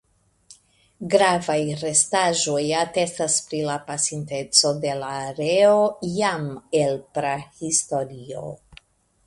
Gravaj restaĵoj atestas pri la pasinteco de la areo jam el prahistorio.